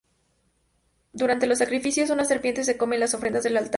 Durante los sacrificios, una serpiente se come las ofrendas del altar.